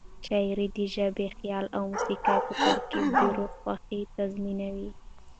شاعري د ژبې، خیال او موسيقۍ په ترکیب د روح خوښي تضمینوي.